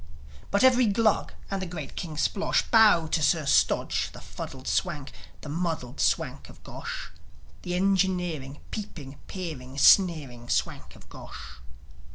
But every Glug, and great King Splosh Bowed to Sir Stodge, the fuddled Swank, The muddled Swank of Gosh The engineering, peeping, peering, Sneering Swank of Gosh.